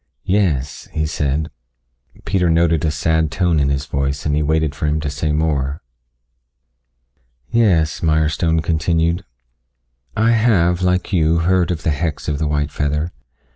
"Yes," he said. Peter noted a sad tone in his voice, and he waited for him to say more. "Yes," Mirestone continued. "I have, like you, heard of the hex of the white feather.